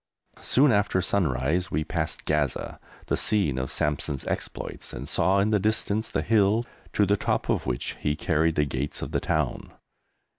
Soon after sunrise we passed Gaza, the scene of Samson's exploits, and saw, in the distance, the hill to the top of which he carried the gates of the town.